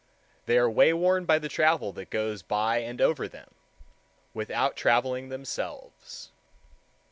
They are wayworn by the travel that goes by and over them, without traveling themselves.